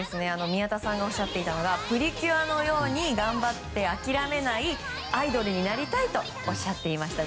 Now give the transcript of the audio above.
宮田さんがおっしゃっていたのがプリキュアのように頑張って諦めないアイドルになりたいとおっしゃっていました。